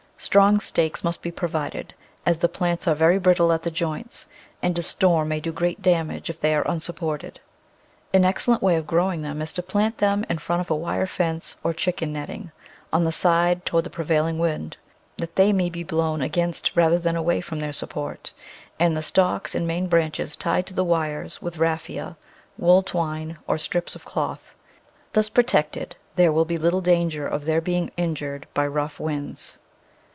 Strong stakes must be provided, as the plants are very brittle at the joints, and a storm may do great damage if they are unsupported. An ex cellent way of growing them is to plant them in front of a wire fence or chicken netting on the side toward the prevailing wind, that they may be blown against, rather than away from their support, and the stalks and main branches tied to the wires with raphia, wool twine, or strips of cloth; thus protected there will be little danger of their being injured by rough winds.